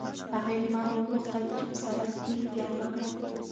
هغې له ما نه وغوښتل چې په سړک کې احتیاط وکړم.